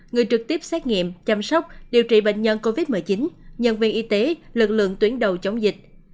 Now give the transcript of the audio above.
người trực tiếp xét nghiệm chăm sóc điều trị bệnh nhân covid một mươi chín nhân viên y tế lực lượng tuyến đầu chống dịch